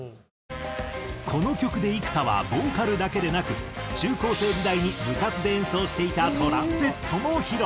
この曲で幾田はボーカルだけでなく中高生時代に部活で演奏していたトランペットも披露。